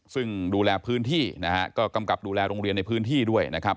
ซึ่งดูแลพื้นที่นะฮะก็กำกับดูแลโรงเรียนในพื้นที่ด้วยนะครับ